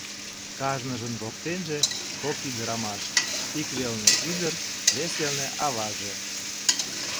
Кажныжын воктенже — кок ӱдырамаш: ик велне — ӱдыр, вес велне — аваже.